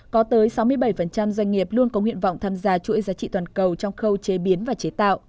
có tới sáu mươi bảy doanh nghiệp luôn có nguyện vọng tham gia chuỗi giá trị toàn cầu trong khâu chế biến và chế tạo